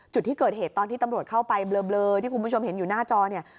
จุดที่เกิดเหตุตอนที่ตำรวจเข้าไปเบลอที่คุณผู้ชมเห็นอยู่หน้าจอเนี่ย